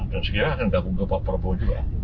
dan saya kira akan gabung ke pak prabowo juga